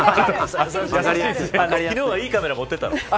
昨日はいいカメラ、持ってったの。